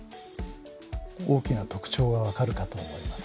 大きな特徴が分かるかと思います。